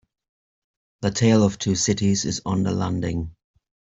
The Tale of Two Cities is on the landing.